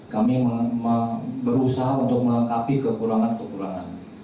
kami berusaha untuk melengkapi kekurangan kekurangan